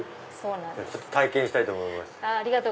体験したいと思います。